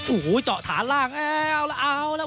โอ้โหเจาะฐานล่างแล้วแล้วเอาแล้ว